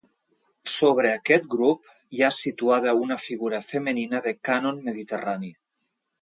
Sobre aquest grup hi ha situada una figura femenina de cànon mediterrani.